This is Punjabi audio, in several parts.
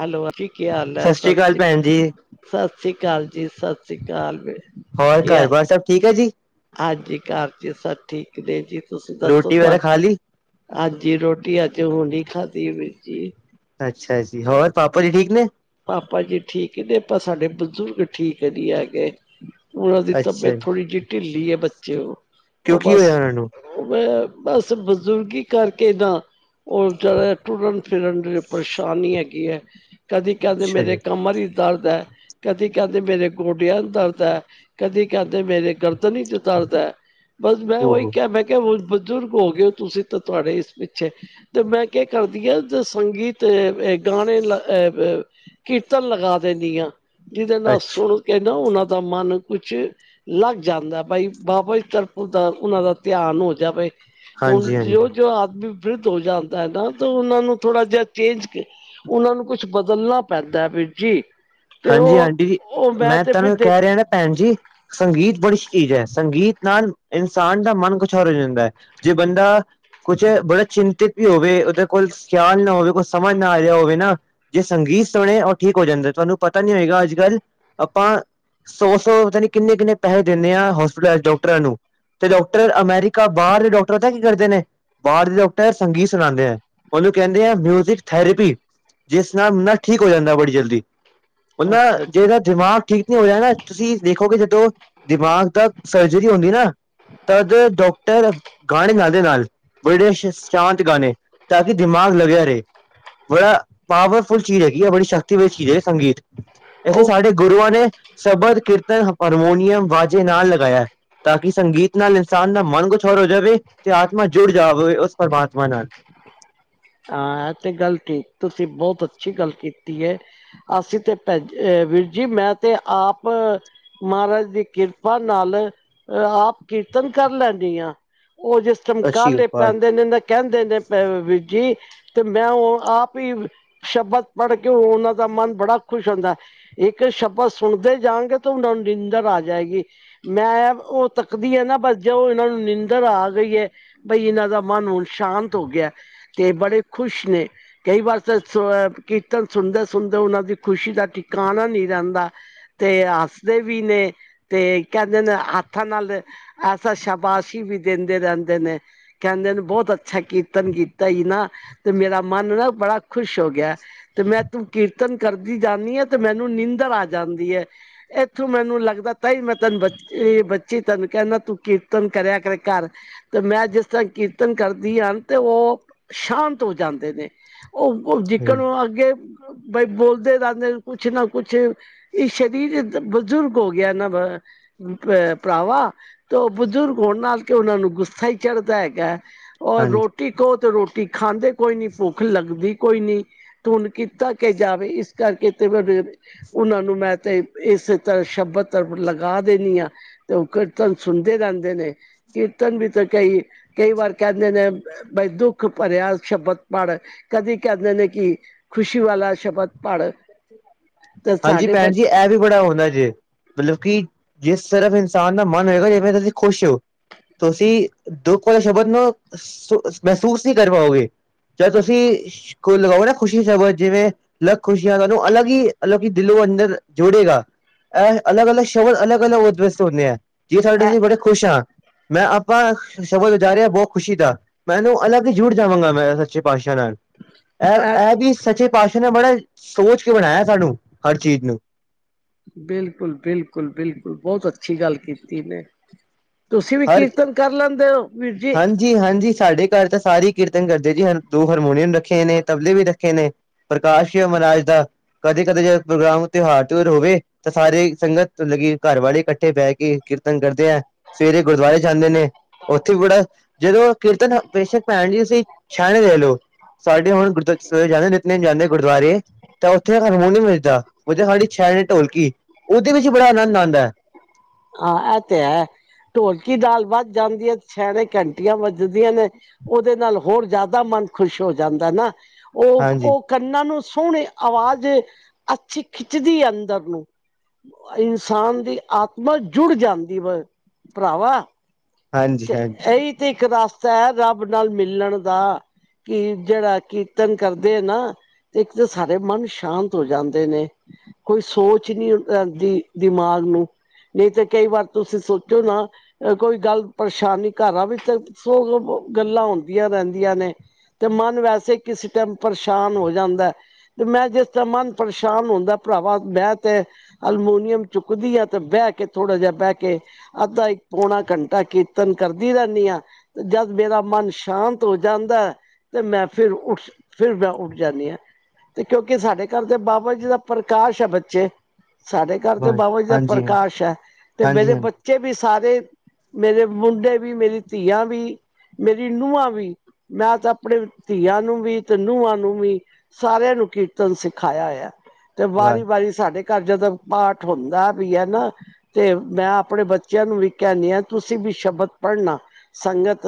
ਹੈਲੋ ਜੀ ਕੀ ਹਾਲ ਏ ਸ੍ਰੀ ਅਕਾਲ ਸਤਿ ਭੈਣ ਜੀ ਸਤਿ ਸ਼੍ਰੀ ਅਕਾਲ ਜੀ ਸਤਿ ਸ੍ਰੀ ਅਕਾਲ। ਹੋਰ ਕੀ ਘਰ ਹਾਲ ਬਾਰ ਸਭ ਠੀਕ ਐ ਜੀ। ਹਾਂਜੀ ਘਰ ਸਭ ਠੀਕ ਨੇ ਜੀ ਤੁਸੀਂ ਦੱਸੋ ਰੋਟੀ ਤੁ ਵਗੈਰਾ ਖਾ ਲਈ ਹਾਂਜੀ ਰੋਟੀ ਹਜੇ ਹੁਣੇ ਖਾਦੀ ਏ ਵੀਰ ਜੀ ਅੱਛਾ ਜੀ ਹੋਰ ਪਾਪਾ ਜੀ ਠੀਕ ਨੇ। ਪਾਪਾ ਜੀ ਠੀਕ ਨੇ ਪਰ ਸਾਡੇ ਬਜ਼ੁਰਗ ਠੀਕ ਨਹੀਂ ਹੈਗੇ ਉਹਨਾਂ ਦੀ ਅੱਛਾ ਤਬੀਅਤ ਜੀ ਥੋੜੀ ਜਿਹੀ ਢਿੱਲੀ ਹੈ ਬੱਚੇ ਉਹ ਕਿਉਂ ਉਹ ਕੀ ਬਸ ਹੋਇਆ ਉਹਨਾਂ ਨੂੰ ਮੈਂ ਬਸ ਬਜ਼ੁਰਗੀ ਕਰਕੇ ਨਾ ਉਹ ਵਚਾਰੇ ਟੁਰਨ ਫਿਰਨਚ ਪਰੇਸ਼ਾਨੀ ਹੈਗੀ ਹੈ ਕਦੀ ਕਹਿੰਦੇ ਨੇ ਅੱਛਾ ਮੇਰੇ ਜੀ ਕਮਰ ਹੀ ਦਰਦ ਐ ਕਦੀ ਕਹਿੰਦੇ ਮੇਰੇ ਗੋਡਿਆਂ ਨੂੰ ਦਰਦ ਐ ਕਦੀ ਕਹਿੰਦੇ ਮੇਰੇ ਗਰ [unintelligible] ਚ ਦਰਦ ਐ [unintelligible] ਬਸ ਮੈਂ ਉਹੀ ਓਹੋ ਕਿਹਾ ਮੈਂ ਕਿਹਾ ਕੇ ਬਜ਼ੁਰਗ ਹੋ ਗਏ ਹੋ ਤੁਸੀਂ ਤਾਂ ਤੁਹਾਡੇ ਇਸ ਪਿੱਛੇ ਤੇ ਮੈਂ ਕੇ ਕਰਦੀ ਆਂ ਸੰਗੀਤ ਗਾਣੇ ਲ ਕੀਰਤਨ ਲਗਾ ਦਿਨੀ ਆਂ ਜਿਹਦੇ ਨਾਲ ਅੱਛਾ ਸੁਣ ਕੇ ਨਾ ਉਹਨਾਂ ਦਾ ਮਨ ਕੁਛ ਲੱਗ ਜਾਂਦਾ ਬਾਈ [unintelligible] ਉਹਨਾਂ ਦਾ ਧਿਆਨ ਹੋ ਜਾਵੇ। ਹੁਣ ਹਾਂਜੀ ਹਾਂਜੀ ਜੋ ਜੋ ਆਦਮੀ ਬਿਰਧ ਹੋ ਜਾਂਦਾ ਹੈ ਨਾ ਉਹਨਾ ਨੂੰ ਥੋੜਾ ਜਿਹਾ ਚੇਂਜ ਉਹਨਾਂ ਨੂੰ ਕੁਛ ਬਦਲਣਾ ਪੈਂਦਾ ਐ ਵੀਰ ਜੀ। ਤੇ ਹਾਂਜੀ ਉਹ ਅੰਟੀ ਜੀ ਉਹ ਮੈਂ ਤੇ ਫਿਰ ਤੁਹਾਨੂੰ ਦੇਖ ਕਹਿ ਰਿਹਾ ਨਾ ਭੈਣ ਜੀ। ਸੰਗੀਤ ਬੜੀ ਚੀਜ਼ ਹੈ ਸੰਗੀਤ ਨਾਲ ਇਨਸਾਨ ਦਾ ਮਨ ਕੁਛ ਹੋਰ ਹੋ ਜਾਂਦਾ ਹੈ। ਜੇ ਬੰਦਾ ਕੁਛ ਬੜਾ ਚਿੰਤਿਤ ਵੀ ਹੋਵੇ ਉਹਦੇ ਕੋਲ ਖਿਆਲ ਨਾ ਹੋਵੇ ਕੁਛ ਸਮਝ ਨਾ ਆ ਰਿਹਾ ਹੋਵੇ ਨਾ ਜੇ ਸੰਗੀਤ ਸੁਣੇ ਉਹ ਠੀਕ ਹੋ ਜਾਂਦਾ ਤੁਹਾਨੂੰ ਪਤਾ ਨਹੀਂ ਹੋਏਗਾ ਅੱਜ ਕੱਲ੍ਹ ਆਪਾਂ ਸੌ-ਸੌ ਪਤਾ ਨੀ ਕਿੰਨੇ-ਕਿੰਨੇ ਪੈਸੇ ਦਿੰਦੇ ਆ ਹੋਸਪਿਟਲ ਚ ਡਾਕਟਰਾਂ ਨੂੰ। ਤੇ ਡਾਕਟਰ ਅਮੇਰੀਕਾ ਬਾਹਰ ਦੇ ਡਾਕਟਰ ਪਤਾ ਕੀ ਕਰਦੇ ਨੇ ਬਾਹਰ ਦੇ ਡਾਕਟਰ ਸੰਗੀਤ ਸੁਣਾਉਂਦੇ ਐ ਉਹਨੂੰ ਕਹਿੰਦੇ ਆ ਮਿਊਜਿਕ ਥੈਰੇਪੀ ਜਿਸ ਨਾਲ ਨਾ ਠੀਕ ਹੋ ਜਾਂਦਾ ਬੜੀ ਜਲਦੀ। ਉਹ ਨਾ ਅੱਛਾ ਜੇ ਜੀ [unintelligible] ਠੀਕ ਨੀ ਹੋਇਆ ਜਾ ਨਾ ਤੁਸੀਂ ਦੇਖੋਗੇ ਜਦੋਂ ਦਿਮਾਗ ਦਾ ਸਰਜਰੀ ਹੁੰਦੀ ਨਾ ਤਦ ਡਾਕਟਰ ਗਾਣੇ ਗਾਂਦੇ ਨਾਲ ਬੜੇ ਸ਼ਾਂਤ ਗਾਣੇ ਤਾਂ ਕਿ ਦਿਮਾਗ ਲੱਗਿਆ ਰਹੇ। ਬੜਾ ਪਾਵਰਫੁੱਲ ਚੀਜ਼ ਹੈਗੀ ਆ ਬੜੀ ਸ਼ਕਤੀ ਚੀਜ਼ ਹੈ ਸੰਗੀਤ ਇੱਥੇ ਉਹ ਸਾਡੇ ਗੁਰੂਆਂ ਨੇ ਸਬਦ ਕੀਰਤਨ ਹਾਰਮੋਨੀਅਮ ਵਾਜੇ ਨਾਲ ਲਗਾਇਆ। ਤਾਂ ਕਿ ਸੰਗੀਤ ਨਾਲ ਇਨਸਾਨ ਦਾ ਮਨ ਖੁਸ਼ ਹੋਰ ਹੋ ਜਾਵੇ ਤੇ ਆਤਮਾ ਜੁੜ ਜਾਵੇ ਉਸ ਪ੍ਰਮਾਤਮਾ ਨਾਲ ਹਾਂ ਇਹ ਤੇ ਗੱਲ ਠੀਕ ਤੁਸੀਂ ਬਹੁਤ ਅੱਛੀ ਗੱਲ ਕੀਤੀ ਏ। ਅਸੀਂ ਤੇ ਪ ਵੀਰ ਜੀ ਮੈਂ ਤੇ ਆਪ ਮਹਾਰਾਜ ਦੀ ਕਿਰਪਾ ਨਾਲ ਆਪ ਕੀਰਤਨ ਕਰ ਲੈਂਦੀ ਆਂ ਉਹ ਜਿਸ ਟਾਇਮ ਅੱਛੀ ਕਾਹਲੇ ਗੱਲ ਪੈਂਦੇ ਨੇ ਕਹਿੰਦੇ ਨੇ ਵੀਰ ਜੀ ਤੇ ਮੈਂ ਉਹ ਆਪ ਹੀ ਸ਼ਬਦ ਪੜ੍ਹ ਕੇ ਉਹਨਾਂ ਦਾ ਮਨ ਬੜਾ ਖੁਸ਼ ਹੁੰਦਾ। ਇੱਕ ਸ਼ਬਦ ਸੁਣਦੇ ਜਾਣਗੇ ਤਾਂ ਉਹਨਾਂ ਨੂੰ ਨਿੰਦਰ ਆ ਜਾਏਗੀ। ਮੈਂ ਉਹ ਤੱਕਦੀ ਹੈ ਨਾ ਬਸ ਜੇ ਉਹ ਇਹਨਾਂ ਨੂੰ ਨਿੰਦਰ ਆ ਗਈ ਹੈ। ਬਈ ਇਹਨਾਂ ਦਾ ਮਨ ਹੁਣ ਸ਼ਾਂਤ ਹੋ ਗਿਆ ਤੇ ਬੜੇ ਖ਼ੁਸ਼ ਨੇ। ਕਈ ਵਾਰ ਤਾਂ ਕੀਰਤਨ ਸੁਣਦੇ-ਸੁਣਦੇ ਉਹਨਾਂ ਦੀ ਖੁਸ਼ੀ ਦਾ ਟੀਕਾਣਾ ਨਹੀਂ ਰਹਿੰਦਾ। ਤੇ ਹੱਸਦੇ ਵੀ ਨੇ ਤੇ ਕਹਿੰਦੇ ਨੇ ਹੱਥਾਂ ਨਾਲ ਐਸਾ ਸ਼ਾਬਾਸ਼ੀ ਵੀ ਦਿੰਦੇ ਰਹਿੰਦੇ ਨੇ ਕਹਿੰਦੇ ਨੇ ਬਹੁਤ ਅੱਛਾ ਕੀਰਤਨ ਤਾਂ ਹੀ ਨਾ ਤੇ ਮੇਰਾ ਮਨ ਨਾ ਬੜਾ ਖ਼ੁਸ਼ ਹੋ ਗਿਆ। ਤੇ ਮੈਂ ਤੂੰ ਕੀਰਤਨ ਕਰਦੀ ਜਾਂਦੀ ਹਾਂ ਤੇ ਮੈਨੂੰ ਨੀਂਦਰ ਆ ਜਾਂਦੀ ਹੈ। ਇੱਥੋਂ ਮੈਨੂੰ ਲੱਗਦਾ ਤਾਂਹੀ ਮੈਂ ਤੈਨੂੰ ਬ ਬੱਚੀ ਤੈਨੂੰ ਕਹਿੰਦਾ ਤੂੰ ਕੀਰਤਨ ਕਰਿਆ ਕਰ ਘਰ। ਤੇ ਮੈਂ ਜਿਸ ਤਰ੍ਹਾਂ ਕੀਰਤਨ ਕਰਦੀ ਹਨ ਤੇ ਉਹ ਸ਼ਾਂਤ ਹੋ ਜਾਂਦੇ ਨੇ ਉਹ, ਉਹ ਜਿੱਕਣ ਹਾਂਜੀ ਅੱਗੇ ਬਾਈ ਬੋਲਦੇ ਰਹਿੰਦੇ ਕੁਛ ਨਾ ਕੁਛ। ਇਹ ਸ਼ਰੀਰ ਬਜ਼ੁਰਗ ਹੋ ਗਿਆ ਨਾ। ਅ ਭਰਾਵਾ ਤੇ ਉਹ ਬਜ਼ੁਰਗ ਹੋਣ ਨਾਲ ਕੇ ਉਹਨਾਂ ਨੂੰ ਗੁੱਸਾ ਹੀ ਚੜ੍ਹਦਾ ਹੈਗਾ। ਔਰ ਰੋਟੀ ਕਹੋ ਤੇ ਰੋਟੀ ਖਾਂਦੇ ਕੋਈ ਨੀ ਭੁੱਖ ਲੱਗਦੀ ਕੋਈ ਨੀ। ਹੁਣ ਕੀਤਾ ਕਿ ਜਾਵੇ ਇਸ ਕਰਕੇ ਤੇ ਉਹਨਾਂ ਨੂੰ ਮੈਂ ਤੇ ਇਸੇ ਤਰ੍ਹਾਂ ਸ਼ਬਦ ਤਾਂ ਲੱਗਾਂ ਦੇਨੀ ਹਾਂ। ਤੇ ਉਹ ਕੀਰਤਨ ਸੁਣਦੇ ਰਹਿੰਦੇ ਨੇ। ਕੀਰਤਨ ਵੀ ਤੇ ਕਈ, ਕਈ ਵਾਰ ਕਹਿੰਦੇ ਨੇ ਬਈ ਦੁੱਖ ਭਰਿਆ ਸ਼ਬਦ ਪੜ ਕਦੀ ਕਹਿੰਦੇ ਨੇ ਕਿ ਖੁਸ਼ੀ ਵਾਲਾ ਸ਼ਬਦ ਪੜ। ਤੇ ਹਾਂਜੀ ਸਾਡੇ ਬ ਭੈਣ ਜੀ ਇਹ ਵੀ ਬੜਾ ਹੁੰਦਾ ਜੇ ਮਤਲਬ ਕਿ ਜਿਸ ਤਰਫ ਇਨਸਾਨ ਦਾ ਮਨ ਹੋਏਗਾ ਜਿਵੇਂ ਤੁਸੀਂ ਖੁਸ਼ ਹੋ। ਤੁਸੀਂ ਦੁੱਖ ਵਾਲੇ ਸ਼ਬਦ ਨੂੰ ਮਹਿਸੂਸ ਨਹੀਂ ਕਰ ਪਾਓਗੇ। ਜਾ ਤੁਸੀਂ ਲਗਾਓ ਨਾ ਖੁਸ਼ੀ ਸਬ ਜਿਵੇਂ ਅਲੱਗ ਖੁਸ਼ੀਆਂ ਤੁਹਾਨੂੰ ਅਲੱਗ ਹੀ ਮਤਲਬ ਕਿ ਦਿਲ ਅੰਦਰ ਜੋੜੇਗਾ ਏ ਅਲਗ-ਅਲਗ ਸ਼ਬਦ ਅਲਗ-ਅਲਗ ਉਦੇ ਵਾਸਤੇ ਹੁੰਦੇ ਹੈ। ਦੇ ਸਾਡੇ ਇਹ ਬੜੇ ਖੁਸ਼ ਹਾਂ ਮੈਂ ਆਪਾਂ ਸ਼ਬਦ ਉਜਾਰਿਹਾ ਬਹੁਤ ਖੁਸ਼ੀ ਦਾ। ਮੈਨੂੰ ਅਲੱਗ ਜੂੜ ਜਾਵਾਂਗਾ ਮੈਂ ਸੱਚੇ ਪਾਤਸ਼ਾਹ ਨਾਲ। ਇਹ, ਇਹ ਵੀ ਸੱਚੇ ਪਾਤਸ਼ਾਹ ਨੇ ਬੜਾ ਸੋਚ ਕੇ ਬਣਾਇਆ ਸਾਨੂੰ ਹਰ ਚੀਜ਼ ਨੂੰ। ਬਿਲਕੁਲ-ਬਿਲਕੁਲ, ਬਿਲਕੁਲ ਬਹੁਤ ਅੱਛੀ ਗੱਲ ਕੀਤੀ ਨੇ। ਤੁਸੀਂ ਵੀ ਕੀਰਤਨ ਕਰ ਲੈਂਦੇ ਹੋ ਵੀਰ ਜੀ। ਜੀ ਹਾਂਜੀ ਸਾਡੇ ਘਰ ਤਾਂ ਸਾਰੇ ਕੀਰਤਨ ਕਰਦੇ ਜੀ ਦੋ ਹਰਮੋਨੀਅਮ ਰੱਖੇ ਨੇ, ਤਬਲੇ ਵੀ ਰੱਖੇ ਨੇ। ਪ੍ਰਕਾਸ਼ ਹੈ ਮਹਾਰਾਜ ਦਾ, ਕਦੇ-ਕਦੇ ਜ ਪ੍ਰੋਗਰਾਮ ਤਿਉਹਾਰ ਚ ਹੋਵੇ ਤਾਂ ਸਾਰੇ ਸੰਗਤ ਲੱਗੀ ਘਰ ਵਾਲੇ ਕੱਠੇ ਬਹਿ ਕੇ ਕੀਰਤਨ ਕਰਦੇ ਹੈ। ਸਵੇਰੇ ਗੁਰਦੁਆਰੇ ਜਾਂਦੇ ਨੇ ਉਥੇ ਵੀ ਬੜਾ ਜਦੋਂ ਕੀਰਤਨ ਬੇਸ਼ਕ ਭੈਣ ਜੀ ਤੁਸੀਂ ਛਹਿਣੇ ਦੇ ਲਓ। ਸਾਡੇ ਹੁਣ ਗੁਰੂ ਜਾਂਦੇ ਜਿਤਨੇ ਜਾਂਦੇ ਗੁਰਦੁਆਰੇ। ਤਾਂ ਉੱਥੇ ਹਾਰਮੋਨੀਅਮ ਨੀ ਵਜਦਾ, ਵਜਦੇ ਸਾਡੀ ਛੈਣੇ ਢੋਲਕੀ ਉਹਦੇ ਵਿੱਚ ਬੜਾ ਅਨੰਦ ਆਦਾ। ਹਾਂ ਇਹ ਤੇ ਹੈ ਢੋਲਕੀ ਨਾਲ ਵੱਧ ਜਾਂਦੀ ਹੈ ਛਿਆਣੇ ਘੰਟੀਆਂ ਵੱਜਦੀਆਂ ਨੇ ਉਦੇ ਨਾਲ ਹੋਰ ਜ਼ਿਆਦਾ ਮਨ ਖੁਸ਼ ਹੋ ਜਾਂਦਾ ਨਾ। ਉਹ, ਹਾਂਜੀ ਉਹ ਕੰਨਾਂ ਨੂੰ ਸੋਹਣੇ ਆਵਾਜ਼ ਅੱਛੀ ਖਿੱਚਦੀ ਹੈ ਅੰਦਰ ਨੂੰ ਇਨਸਾਨ ਦੀ ਆਤ [unintelligible] ਜੁੜ ਜਾਂਦੀ ਵਾ ਭਰਾਵਾ। ਹਾਂਜੀ ਤੇ ਹਾਂਜੀ ਇਹੀ ਤੇ ਇੱਕ ਰਸਤਾ ਹੈ ਰੱਬ ਨਾਲ ਮਿਲਣ ਦਾ। ਕੀ ਜਿਹੜਾ ਕੀਰਤਨ ਕਰਦੇ ਆ ਨਾ। ਤੇ ਇੱਕ ਤਾਂ ਸਾਰੇ ਮਨ ਸ਼ਾਂਤ ਹੋ ਜਾਂਦੇ ਨੇ। ਕੋਈ ਸੋਚ ਨਹੀਂ ਰਹਿੰਦੀ ਦਿਮਾਗ ਨੂੰ। ਨਹੀਂ ਤੇ ਕਈ ਵਾਰ ਤੁਸੀਂ ਸੋਚੋ ਨਾ ਕੋਈ ਗੱਲ ਪਰੇਸ਼ਾਨੀ, ਘਰਾਂ ਵਿੱਚ ਗੱਲਾਂ ਹੁੰਦੀਆਂ ਰਹਿੰਦੀਆਂ ਨੇ। ਤੇ ਮਨ ਵੈਸੇ ਕਿਸੇ ਟਾਈਮ ਪਰੇਸ਼ਾਨ ਹੋ ਜਾਂਦਾ। ਤੇ ਮੈਂ ਜਿਸਦਾ ਮਨ ਪਰੇਸ਼ਾਨ ਹੁੰਦਾ ਭਰਾਵਾ ਮੈਂ ਤੇ ਅਲਮੋਨੀਅਮ ਚੁੱਕਦੀ ਆ ਤੇ ਬਹਿ ਕੇ ਥੋੜਾ ਜਿਹਾ ਬਹਿ ਕੇ ਅੱਧਾ- ਇੱਕ- ਪੌਣਾ ਘੰਟਾ ਕੀਰਤਨ ਕਰਦੀ ਰਹਿੰਦੀ ਹਾਂ। ਤੇ ਜਦ ਮੇਰਾ ਮਨ ਸ਼ਾਂਤ ਹੋ ਜਾਂਦਾ। ਤੇ ਮੈਂ ਫਿਰ ਉੱਠ ਫਿਰ ਮੈਂ ਉੱਠ ਜਾਂਦੀ ਹਾਂ। ਤੇ ਕਿਉਂਕਿ ਸਾਡੇ ਘਰ ਦੇ ਬਾਬਾ ਜੀ ਦਾ ਪ੍ਰਕਾਸ਼ ਹੈ ਬੱਚੇ। ਸਾਡੇ ਘਰ ਤੇ ਹਾਂਜੀ ਬਾਬਾ ਜੀ ਦਾ ਹਾਂਜੀ ਪ੍ਰਕਾਸ਼ ਹੈ ਤੇ ਮੇਰੇ ਹਾਂਜੀ ਬੇ ਹਾਂਜੀ ਬੱਚੇ ਵੀ ਸਾਰੇ ਮੇਰੇ ਮੁੰਡੇ ਵੀ ਮੇਰੀ ਧੀਆਂ ਵੀ ਮੇਰੀ ਨੂੰਹਾਂ ਵੀ ਮੈਂ ਤਾਂ ਆਪਣੇ ਧੀਆਂ ਨੂੰ ਵੀ ਤੇ ਨੂੰਹਾਂ ਨੂੰ ਵੀ ਸਾਰਿਆਂ ਨੂੰ ਕੀਰਤਨ ਸਿਖਾਇਆ ਹੋਇਆ। ਤੇ ਵਾਹ, ਵਾਰੀ -ਵਾਰੀ ਸਾਰੇ ਘਰ ਜਦੋਂ ਪਾਠ ਹੁੰਦਾ ਵੀ ਹੈ। ਨਾ ਤੇ ਮੈਂ ਆਪਣੇ ਬੱਚਿਆਂ ਨੂੰ ਵੀ ਕਹਿੰਦੀ ਹਾਂ ਤੁਸੀਂ ਵੀ ਸ਼ਬਦ ਪੜਨਾ। ਸੰਗਤ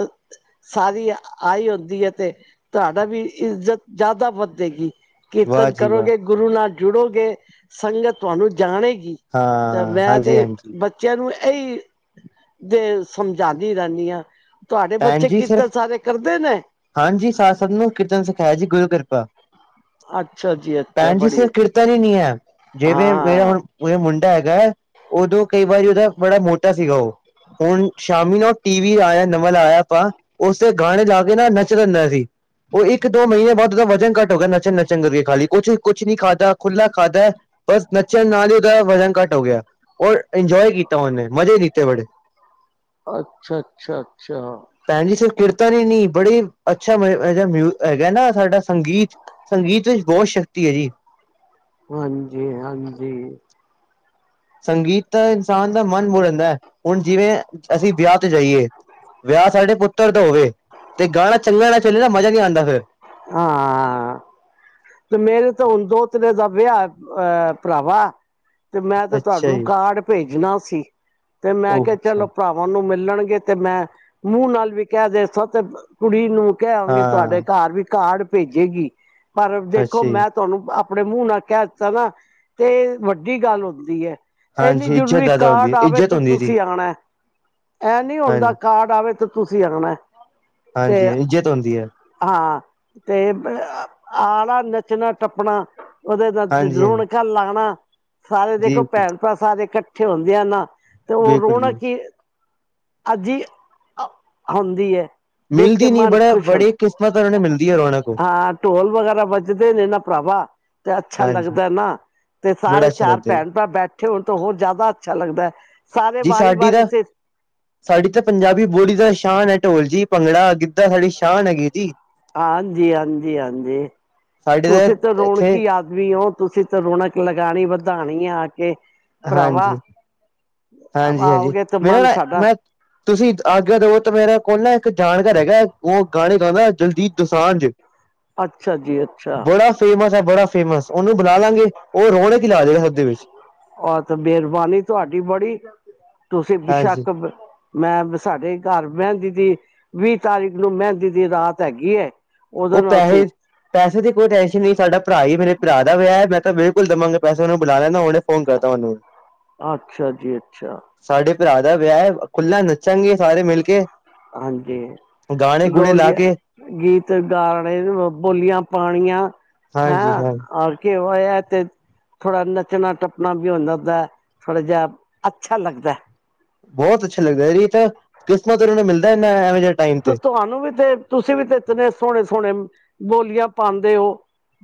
ਸਾਰੀ ਆਈ ਹੁੰਦੀ ਹੈ ਤੇ, ਤੁਹਾਡਾ ਵੀ ਇੱਜ਼ਤ ਜ਼ਿਆਦਾ ਵਧੇਗੀ। ਵਾਹ ਕੀਰਤਨ ਜੀ ਵਾਹ, ਕਰੋਗੇ, ਗੁਰੂ ਨਾਲ ਜੁੜੋਗੇ, ਸੰਗਤ ਤੁਹਾਨੂੰ ਜਾਣੇਗੀ। ਅਹ ਹਾਂ, ਮੈਂ ਤੇ ਹਾਂਜੀ-ਹਾਂਜੀ। ਬੱਚਿਆਂ ਨੂੰ ਇਹੀ ਤੇ ਸਮਝਾਉਂਦੀ ਰਹਿੰਦੀ ਹਾਂ। ਤੁਹਾਡੇ ਭੈਣ ਬੱਚੇ ਜੀ ਸਿਰਫ ਕੀਰਤਨ ਸਾਰੇ ਕਰਦੇ ਨੇ। ਹਾਂਜੀ। ਸਾਨੂੰ ਵੀ ਕੀਰਤਨ ਸਿਖਾਇਆ ਜੀ ਗੁਰੂ ਕਿਰਪਾ। ਅੱਛਾ ਜੀ ਅੱਛਾ ਭੈਣ ਜੀ ਬੜੀ ਸਿਰਫ ਕੀਰਤਨ ਹੀ ਨਹੀਂ ਹੈ। ਜਿਵੇਂ ਮੈਂ ਹਾਂ ਹੁਣ। ਉਰੇ ਮੁੰਡਾ ਹੈਗਾ। ਉਦੋਂ ਕਈ ਵਾਰੀ ਉਹਦਾ ਬੜਾ ਮੋਟਾ ਸੀਗਾ ਉਹ। ਹੁਣ, ਸ਼ਾਮੀ ਨੂੰ ਉਹ ਟੀ ਵੀ ਆਇਆ ਨਵਾ ਆਇਆ ਆਪਾਂ, ਉਸਦੇ ਗਾਣੇ ਲਾ ਕੇ ਨਾ ਨੱਚ ਲੈਂਦਾ ਜੀ। ਉਹ ਇੱਕ- ਦੋ ਮਹੀਨੇ ਬਾਅਦ ਉਹਦਾ ਵਜਨ ਘੱਟ ਹੋ ਗਿਆ ਨੱਚਣ- ਨੱਚਣ ਕਰਕੇ ਖਾਲੀ ਕੁਛ- ਕੁਛ ਨੀ ਖਾਧਾ। ਖੁੱਲਾ ਖਾਧਾ ਹੈ। ਬਸ ਨੱਚਣ ਨਾਲ ਹੀ ਉਹਦਾ ਵਜ਼ਨ ਘੱਟ ਹੋ ਗਿਆ ਹੈ। ਔਰ ਇੰਜੋਏ ਕੀਤਾ। ਉਹਨੇ ਮਜ਼ੇ ਕੀਤੇ ਬੜੇ। ਅੱਛਾ- ਅੱਛਾ- ਅੱਛਾ। ਭੈਣ ਜੀ ਸਿਰਫ ਕੀਰਤਨ ਹੀ ਨੀ ਬੜੇ ਅੱਛਾ ਹੈਗਾ ਨਾ ਸਾਡਾ ਸੰਗੀਤ। ਸੰਗੀਤ ਵਿੱਚ ਬਹੁਤ ਸ਼ਕਤੀ ਹੈ ਜੀ। ਹਾਂਜੀ- ਹਾਂਜੀ। ਸੰਗੀਤ ਤਾਂ ਇਨਸਾਨ ਦਾ ਮਨ ਮੋਹ ਲੈਂਦਾ ਹੈ। ਹੁਣ ਜਿਵੇਂ ਅਸੀਂ ਵਿਆਹ ਤੇ ਜਾਈਏ। ਵਿਆਹ ਸਾਡੇ ਪੁੱਤਰ ਦਾ ਹੋਵੇ। ਤੇ ਗਾਣਾ ਚੰਗਾ ਨਾ ਚੱਲੇ ਨਾ ਮਜ਼ਾ ਨਹੀਂ ਆਉਂਦਾ ਫਿਰ। ਹਾਂ। ਤੇ ਮੇਰੇ ਤਾਂ ਹੁਣ ਦੋਤਰੇ ਦਾ ਵਿਆਹ ਅਹ ਭਰਾਵਾਂ। ਤੇ ਮੈਂ ਤੇ ਅੱਛਾ ਤੁਹਾਨੂੰ ਜੀ ਕਾਰਡ ਭੇਜਣਾ ਸੀ। ਤੇ ਮੈਂ ਉਹ ਕਿਹਾ ਅੱਛਾ ਚਲੋ। ਤੁਹਾਨੂੰ ਮਿਲਣਗੇ ਤੇ ਮੈਂ ਮੂੰਹ ਨਾਲ ਵੀ ਕਹਿ ਦੱਸਾ ਤੇ ਕੁੜੀ ਨੂੰ ਕਹਿਵਾਂਗੀ। ਤੁਹਾਡੇ ਹਾਂ ਘਰ ਵੀ ਕਾਰਡ ਭੇਜੇਗੀ। ਪਰ ਦੇਖੋ ਅੱਛਾ ਜੀ ਮੈਂ ਤੁਹਾਨੂੰ ਆਪਣੇ ਮੂੰਹ ਨਾਲ ਕਹਿ ਦਿੱਤਾ ਨਾ। ਤੇ ਵੱਡੀ ਗੱਲ ਹੁੰਦੀ ਹੈ। ਐ ਨਈ ਹਾਂਜੀ ਇੱਜ਼ਤ ਜਰੂਰੀ, ਜ਼ਿਆਦਾ ਹੁੰਦੀ ਕਾਰਡ ਹੈ ਆਵੇ ਇੱਜ਼ਤ ਤੇ ਹੁੰਦੀ ਹੈ ਜੀ ਤੁਸੀਂ ਆਣਾ ਏ। ਏਹ ਨੀ ਹੁੰਦਾ, ਹਾਂਜੀ ਕਾਰਡ ਆਵੇ, ਤੇ ਤੁਸੀਂ ਆਣਾ ਏ, ਤੇ ਤੋਂਦੀ ਐ। ਹਾਂ ਤੇ ਆਉਣਾ, ਨੱਚਣਾ, ਟੱਪਣਾ ਉਹਦੇ ਨਾਲ ਹਾਂਜੀ ਰੌਣਕ ਹਾਂਜੀ ਮੈਂ ਕਿਹਾ ਲਾਉਣਾ ਸਾਰੇ ਦੇਖੋ, ਜੀ ਭੈਣ- ਭਰਾ ਸਾਰੇ ਇਕੱਠੇ ਹੁੰਦੇ ਆ ਨਾ। ਤੇ ਉਹ ਬਿਲਕੁਲ ਜੀ ਰੌਣਕ ਹੀ ਅੱਜ ਹੁੰਦੀ ਹੈ। ਦੇਖ ਕੇ ਮਿਲਦੀ ਨੀ। ਮਨ ਬੜਾ ਖੁਸ਼ ਬੜੀ ਹੁੰਦਾ ਕਿਸਮਤ ਵਾਲੀਆਂ ਨੂੰ ਮਿਲਦੀ ਹੈ। ਰੌਣਕ ਉਹ ਹਾਂ, ਢੋਲ ਵਗੈਰਾ ਵੱਜਦੇ ਨੇ ਨਾ ਭਰਾਵਾਂ। ਤੇ ਅੱਛਾ ਹਾਂਜੀ ਲੱਗਦਾ ਨਾ। ਤੇ ਬੜਾ ਸਾਰੇ ਅੱਛਾ ਚਾਰ ਲੱਗਦਾ ਜੀ ਭੈਣ- ਭਰਾ ਬੈਠੇ ਇਕੱਠੇ ਹੋਣ ਤੋਂ ਹੋਰ ਜ਼ਿਆਦਾ ਅੱਛਾ ਲੱਗਦਾ ਹੈ। ਸਾਰੇ ਜੀ ਵਾਰੀ ਸਾਡੀ -ਵਾਰੀ ਤਾਂ ਸ ਸਾਡੀ ਤਾਂ ਪੰਜਾਬੀ ਬੋਲੀ ਦਾ ਸ਼ਾਨ ਹੈ ਢੋਲ ਜੀ। ਭੰਗੜਾ ਸਾਡੀ ਸ਼ਾਨ ਹੈਗੀ ਜੀ ਹਾਂਜੀ-ਹਾਂਜੀ- ਹਾਂਜੀ। ਸਾਡੇ ਤੁਸੀਂ ਤੇ ਤਾਂ ਇੱਥੇ ਰੌਣਕੀ ਆਦਮੀ ਔ, ਤੁਸੀਂ ਤੇ ਰੌਣਕ ਲਗਾਣੀ ਵਦਾਣੀ ਏ ਆ ਕੇ। ਭਰਾਵਾ ਹਾਂਜੀ, ਹਾਂਜੀ-ਹਾਂਜੀ, ਆਓਗੇ ਤੇ ਮੇਰਾ ਮਨ ਨਾ ਸਾਡਾ ਮੈਂ ਤੁਸੀਂ ਆਗਿਆ ਦੇਵੋ, ਤਾਂ ਮੇਰਾ ਕੋਲ ਨਾ, ਇੱਕ ਜਾਣਕਾਰ ਹੈਗਾ ਏ, ਔਹ ਗਾਣੇ ਗਾਂਦਾ, ਦਲਜੀਤ ਦੋਸਾਂਜ [inaudible] ਅੱਛਾ ਜੀ, ਅੱਛਾ। ਬੜਾ ਫੇਮਸ ਹੈ, ਬੜਾ ਫੇਮਸ, ਉਹਨੂੰ ਬੁਲਾ ਲਾਂਗੇ, ਔਹ ਰੋਣਕ ਈ ਲਾ ਦੇਗਾ ਸਬਦੇ ਵਿੱਚ। ਔਹ ਤੇ ਮੇਰਵਾਨੀ ਤੁਹਾਡੀ ਬੜੀ, ਤੁਸੀਂ ਹਾਂਜੀ ਬੇਸ਼ੱਕ ਮੈਂ ਸਾਡੇ ਕਾਰ ਮੈਂਦੀ ਦੀ, ਵੀਹ ਤਾਰੀਕ ਨੂੰ ਮੈਂਦੀ ਦੀ ਰਾਤ ਹੈਗੀ ਏ। ਉਹ ਪੈਹੇ ਪੈਸੇ ਦੀ ਕੋਈ ਟੈਨਸ਼ਨ ਨਈ, ਸਾਡਾ ਪਰਾ ਈ, ਮੇਰੇ ਪਰਾ ਦਾ ਵਯਾ ਏ, ਮੈਂ ਤਾਂ ਬਿਲਕੁਲ ਦਵਾਂਗਾ ਪੈਸੇ, ਉਹਨੂੰ ਬੁਲਾ ਲੈਂਨਾ, ਹੁਣੇ ਫੋਨ ਕਰਦਾ ਉਹਨੂੰ। [inaudible] ਆਛਾ ਜੀ, ਅੱਛਾ। ਸਾਡੇ ਪਰਾ ਦਾ ਵੇਯਾ ਏ। ਖੁੱਲਾ ਨੱਚਾਂਗੇ ਸਾਰੇ ਮਿਲ ਕੇ, ਹਾਂਜੀ ਗਾਣੇ ਗੂਣੇ ਲਾ ਗੋਲੀਆਂ ਕੇ। ਗੀਤ ਗਾਣੇ, ਬੋਲੀਆਂ ਪਾਣੀਆਂ, ਹਾਂਜੀ ਹੈਂ ਹਾਂ ਅ ਕਿਔ ਆਯਾ ਏਹ ਤੇ ਥੋੜਾ ਨੱਚਣਾ, ਟੱਪਣਾ ਵੀ ਹੁੰਦਾਦਾ, ਥੋੜ੍ਹਾ ਜਿਹਾ ਅੱਛਾ ਲੱਗਦਾ ਏ। ਬੋਹਤ ਅੱਛਾ ਲੱਗਦਾ, ਏਹ ਤਾਂ ਕਿਸਮਤ ਉਹ ਆਲੇ ਨੂੰ ਮਿਲਦਾ, ਇਨਾ ਐਵੇਂ ਜੇ ਤੇ ਤੁਵਾਨੂੰ ਵੀ ਤੇ, ਤੁਸੀਂ ਵੀ ਤੇ ਇਤਨੇ ਸੋਹਣੇ-ਸੋਹਣੇ ਬੋਲੀਆਂ ਪਾਂਦੇ ਔ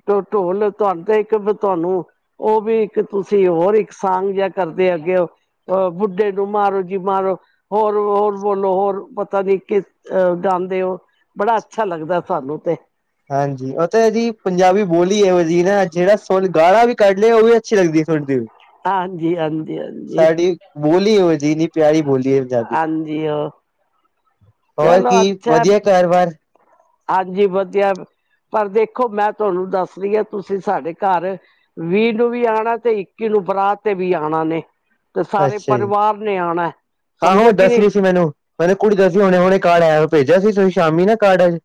ਟ ਟੋਲ, ਤੁਵਾਨੂੰ ਤੇ ਇੱਕ ਤੁਹਾਨੂੰ ਔਹ ਵੀ, ਇੱਕ ਤੁਸੀਂ ਹੋਰ ਇੱਕ ਸਾਂਗ ਜਿਹਾ, ਕਰਦੇ ਹੈਗੇ ਔ ਅਹ ਬੁੱਢੇ ਨੂੰ ਮਾਰੋ ਜੀ ਮਾਰੋ, ਹੋਰ-ਹੋਰ ਬੋਲੋ, ਹੋਰ ਪਤਾ ਨੀ ਕਿ ਅਹ ਗਾਂਦੇ ਔ, ਬੜਾ ਅੱਛਾ ਲੱਗਦਾ ਸਾਨੂੰ ਤੇ। ਹਾਂਜੀ, ਔਥੇ ਦੀ ਪੰਜਾਬੀ ਬੋਲੀ ਏਹੀਓ ਜੀ ਏ ਨਾ, ਜਿਹੜਾ ਹੁਣ ਗਾਲਾ ਵੀ ਕੱਢ ਲੇ, ਉਹ ਵੀ ਅੱਛੀ ਲੱਗਦੀ ਸੁਣਦੀ ਵ ਹਾਂਜੀ-ਹਾਂਜੀ-ਹਾਂਜੀ। ਬੋਲੀ ਏਹੋ ਜੀ, ਇੰਨੀ ਪਿਆਰੀ ਬੋਲੀ ਏ, ਪੰਜਾਬੀ। ਹਾਂਜੀ ਉਹ ਹੋਰ ਚਲੋ ਕੀ? ਵਦੀਆ ਕਾਰ ਵਾਰ? ਆਂਜੀ ਵਦੀਆ, ਪਰ ਦੇਖੋ ਮੈਂ ਤੁਹਾਨੂੰ ਦੱਸਦੀ ਆ, ਤੁਸੀਂ ਸਾਡੇ ਘਰ ਵੀਹ ਨੂੰ ਵੀ ਆਣਾ, ਤੇ ਇੱਕੀ ਨੂੰ ਬਰਾਤ ਤੇ ਵੀ ਆਣਾ ਨੇ। ਤੇ ਸਾਰੇ ਅੱਛਾ ਜੀ ਪਰਿਵਾਰ ਨੇ ਆਣਾ ਏ, ਸਮਝੋ ਕਿ ਨਈ? ਕਹਿੰਦੇ ਕੁੜੀ ਦਾ ਸੀ, ਹੁਣੇ-ਹੁਣੇ ਕਾਰਡ ਆਇਆ, ਭੇਜੇਆ ਸੀ ਤੁਸੀਂ ਸ਼ਾਮੀ ਨਾ ਕਾਰਡ ਅੱਜ?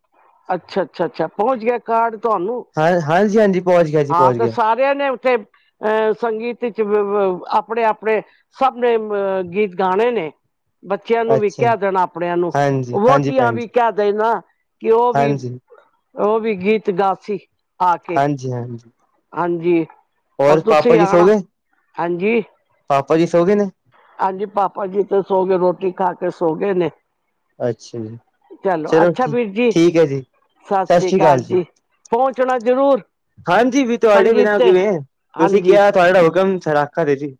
ਅੱਛਾ-ਅੱਛਾ-ਅੱਛਾ, ਪੌਂਚ ਗੇਆ ਕਾਰਡ ਤੁਹਾਨੂੰ? ਹਾਏ-ਹਾਏ ਜੀ ਹਾਂਜੀ। ਪਹੁੰਚ ਗਿਆ ਜੀ ਹਾਂ ਪਹੁੰਚ ਤੇ ਗਿਆ ਸਾਰੇਆਂ ਨੇ ਉੱਥੇ ਅਹ ਸੰਗੀਤ ਇੱਚ ਵ-ਵ, ਆਪਣੇ-ਆਪਣੇ ਸਭ ਨੇ ਅਹ ਗੀਤ ਗਾਣੇ ਨੇ। ਬੱਚੇਆਂ ਨੂੰ ਵੀ ਅੱਛਾ ਕੇਹ ਦੇਣਾ ਆਪਣੇਆਂ ਨੂੰ, ਹਾਂਜੀ ਹਾਂਜੀ ਵੋਟੀਆਂ ਭੈਣ ਵੀ ਜੀ ਕੇਹ ਦੇਣਾ। ਕਿ ਔਹ ਵੀ, ਹਾਂਜੀ ਔਹ ਵੀ ਗੀਤ ਗਾਸੀ, ਆ ਕੇ। ਜੀ ਹਾਂਜੀ ਹਾਂਜੀ ਔਰ ਹੋਰ ਪਾਪਾ ਤੁਸੀਂ ਜੀ ਸੋ ਆਣਾ ਗਏ ਹਾਂਜੀ ਪਾਪਾ ਜੀ ਸੋ ਗਏ ਨੇ ਹਾਂਜੀ, ਪਾਪਾ ਜੀ ਤੇ ਸੋ ਗਏ, ਰੋਟੀ ਖਾ ਕੇ ਸੋ ਗਏ ਨੇ। ਅੱਛਾ ਜੀ, ਚਲੋ ਠ ਠੀਕ ਐ ਜੀ। ਸਤਿ ਸ੍ਰੀ ਅਕਾਲ ਸਾਸੀਕਾਲ ਜੀ, ਪੌਂਚਣਾ ਜਰੂਰ। ਹਾਂਜੀ ਵੀ ਤੁਹਾਡੇ ਬਿਨਾਂ ਕਿਵੇਂ, ਤੁਸੀਂ ਹਾਂਜੀ ਕਿਆ, ਤੁਹਾਡਾ ਹੁਕਮ ਸਰਾਖਾ ਤੇ ਜੀ।